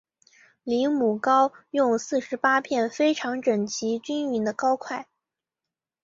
离母糕用四十八片非常整齐均匀的糕块。